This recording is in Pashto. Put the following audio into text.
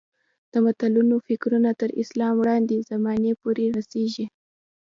د متلونو فکرونه تر اسلام وړاندې زمانې پورې رسېږي